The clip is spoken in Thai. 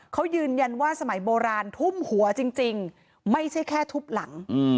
เขายืนยันว่าสมัยโบราณทุ่มหัวจริงไม่ใช่แค่ทุบหลัง